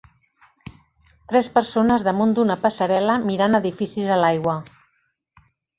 Tres persones damunt d'una passarel·la mirant edificis a l'aigua.